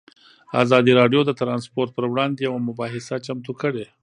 ازادي راډیو د ترانسپورټ پر وړاندې یوه مباحثه چمتو کړې.